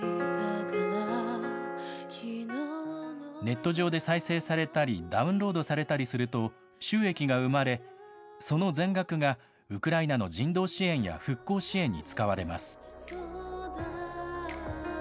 ネット上で再生されたり、ダウンロードされたりすると収益が生まれ、その全額がウクライナの人道支援や復興支援に使われます。